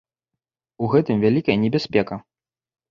У гэтым вялікая небяспека.